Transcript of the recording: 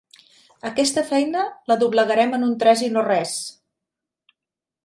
Aquesta feina, la doblegarem en un tres i no res!